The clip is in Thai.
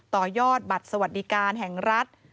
ต่อยอดบัตรสวัสดิการแห่งรัฐ